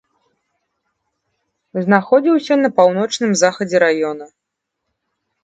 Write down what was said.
Знаходзіўся на паўночным захадзе раёна.